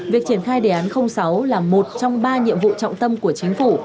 việc triển khai đề án sáu là một trong ba nhiệm vụ trọng tâm của chính phủ